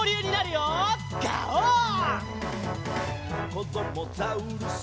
「こどもザウルス